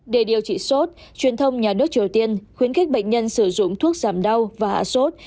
để điều trị sốt truyền thông nhà nước triều tiên khuyến khích bệnh nhân sử dụng thuốc giảm đau và hạ sốt